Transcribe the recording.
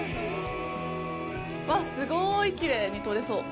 うわっ、すごいきれいに撮れそう！